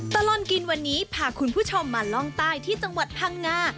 ตลอดกินวันนี้พาคุณผู้ชมมาล่องใต้ที่จังหวัดพังงา